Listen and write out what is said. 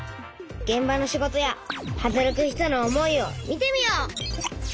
げん場の仕事や働く人の思いを見てみよう！